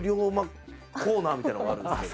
みたいなのがあるんですけど。